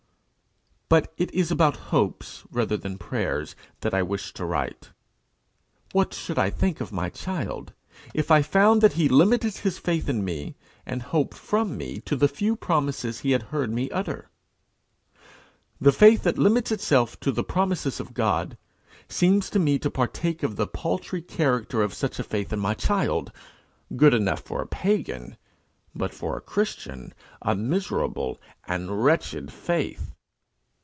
But it is about hopes rather than prayers that I wish to write. What should I think of my child, if I found that he limited his faith in me and hope from me to the few promises he had heard me utter! The faith that limits itself to the promises of God, seems to me to partake of the paltry character of such a faith in my child good enough for a Pagan, but for a Christian a miserable and wretched faith.